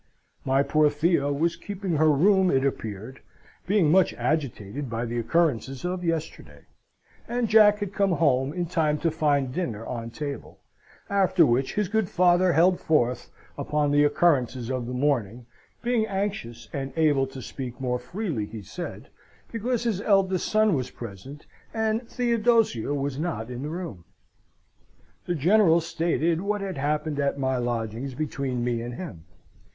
My poor Theo was keeping her room, it appeared, being much agitated by the occurrences of yesterday; and Jack had come home in time to find dinner on table; after which his good father held forth upon the occurrences of the morning, being anxious and able to speak more freely, he said, because his eldest son was present and Theodosia was not in the room. The General stated what had happened at my lodgings between me and him.